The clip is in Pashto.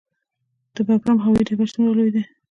د بګرام هوايي ډګر څومره لوی دی؟